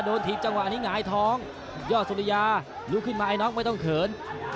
ถีบจังหวะนี้หงายท้องยอดสุริยาลุกขึ้นมาไอ้น็อกไม่ต้องเขิน